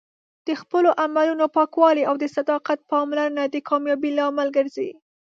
د خپلو عملونو پاکوالی او د صداقت پاملرنه د کامیابۍ لامل ګرځي.